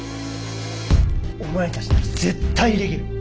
お前たちなら絶対できる！